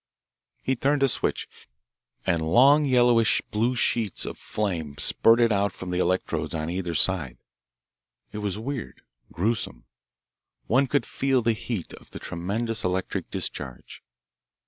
He turned a switch, and long yellowish blue sheets of flame spurted out from the electrodes on either side. It was weird, gruesome. One could feel the heat of the tremendous electric discharge.